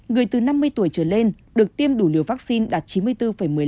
người từ năm mươi tuổi trở lên được tiêm đủ liều vaccine đạt chín mươi bốn một mươi năm